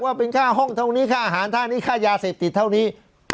ว่าเป็นค่าห้องเท่านี้ค่าอาหารท่านี้ค่ายาเสพติดเท่านี้